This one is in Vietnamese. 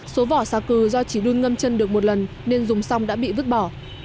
số vỏ xà cừ do chỉ đun ngâm chân được một lần nên dùng xong đã bị vứt bỏ